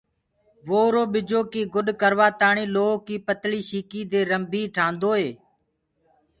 وو اُرو ٻجو ڪي گُڏ ڪروآ تآڻي لوهڪي پتݪي شيڪي دي رنڀي ٺآندوئي۔